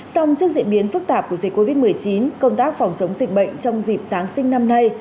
song trước diễn biến phức tạp của dịch covid một mươi chín công tác phòng chống dịch bệnh trong dịp giáng sinh năm nay